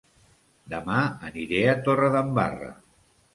Dema aniré a Torredembarra